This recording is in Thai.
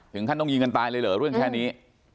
ท่านต้องยิงกันตายเลยเหรอเรื่องแค่นี้